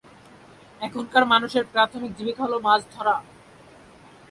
এখানকার মানুষের প্রাথমিক জীবিকা হল মাছ ধরা।